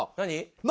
何？